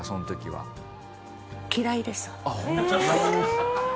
はい。